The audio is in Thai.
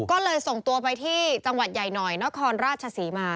ก็เลยส่งตัวไปที่จังหวัดใหญ่หน่อยนครราชศรีมา